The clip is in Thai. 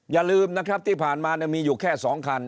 อย่าลืมนะครับที่ผ่านมามีอยู่แค่๒คัน